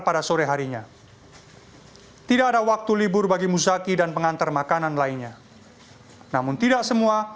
pada sore harinya tidak ada waktu libur bagi muzaki dan pengantar makanan lainnya namun tidak semua